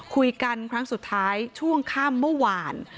คุยกันครั้งสุดท้ายช่วงค่ำเมื่อวาน